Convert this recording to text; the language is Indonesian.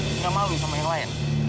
enggak mau sama yang lain